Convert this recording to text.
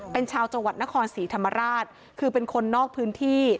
เป็นชาวจังหวัดนครศรีธรรมราชคือเป็นคนนอกพื้นที่